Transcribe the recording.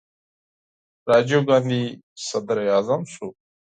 راجیو ګاندي صدراعظم شو.